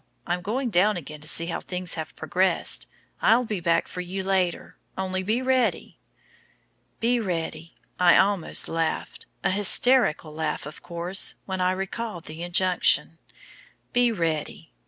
I'm going down again to see how things have progressed. I'll be back for you later. Only be ready." Be ready! I almost laughed, a hysterical laugh, of course, when I recalled the injunction. Be ready!